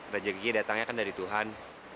rezeki datangnya kan dari tuhan